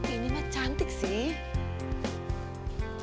ini mah cantik sih